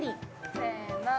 せの。